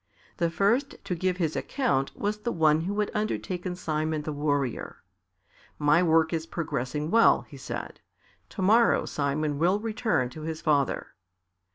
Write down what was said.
The first to give his account was the one who had undertaken Simon the Warrior. "My work is progressing well," he said. "To morrow Simon will return to his father."